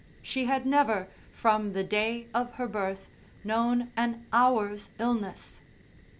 She had never, from the day of her birth, known an hour's illness.